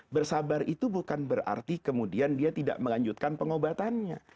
bersabar itu bukan berarti kemudian dia tidak melanjutkan pengobatannya